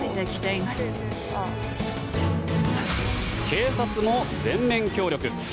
警察も全面協力。